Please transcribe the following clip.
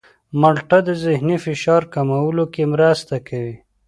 مالټه د ذهني فشار کمولو کې مرسته کوي.